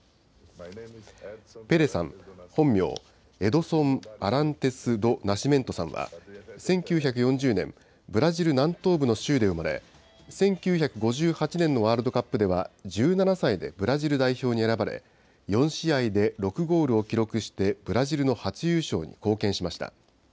ペレさん、本名、エドソン・アランテス・ド・ナシメントさんは、１９４０年、ブラジル南東部の州で生まれ、１９５８年のワールドカップでは１７歳でブラジル代表に選ばれ、４試合で６ゴールを記録して、ブラジルの初優勝に貢献しました。